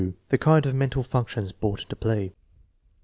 The kind of mental functions brought into play.